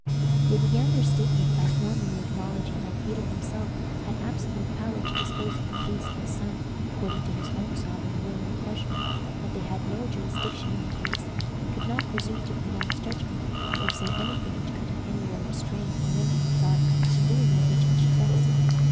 They began their statement by formally acknowledging that Peter himself had absolute power to dispose of the case of his son according to his own sovereign will and pleasure; that they had no jurisdiction in the case, and could not presume to pronounce judgment, or say any thing which could in any way restrain or limit the Czar in doing what he judged best.